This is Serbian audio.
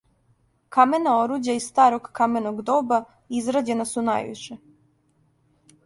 Камена оруђа из старог каменог доба израђена су највише